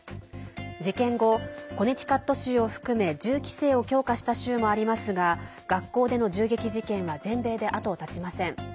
事件後、コネティカット州を含め銃規制を強化した州もありますが学校での銃撃事件は全米で後を絶ちません。